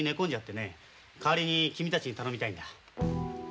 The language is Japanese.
代わりに君たちに頼みたいんだ。